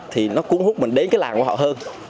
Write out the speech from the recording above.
thì nó cuốn hút mình đến cái làng của họ hơn